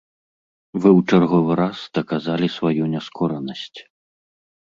Вы ў чарговы раз даказалі сваю няскоранасць.